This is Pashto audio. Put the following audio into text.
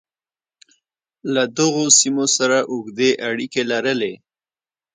له دغو سیمو سره اوږدې اړیکې لرلې.